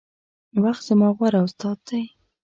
وخت زما غوره استاذ دے